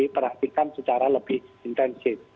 diperhatikan secara lebih intensif